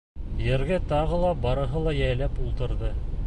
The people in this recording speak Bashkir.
Ергә тағы ла барыһы ла йәйелеп ултырҙы.